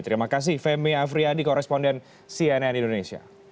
terima kasih femi afriyadi koresponden cnn indonesia